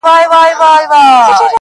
يارانو راټوليږی چي تعويذ ورڅخه واخلو.